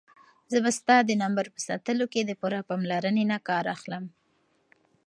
زه به ستا د نمبر په ساتلو کې د پوره پاملرنې نه کار اخلم.